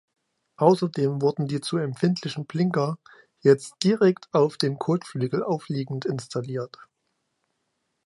Außerdem wurden die zu empfindlichen Blinker jetzt direkt auf dem Kotflügel aufliegend installiert.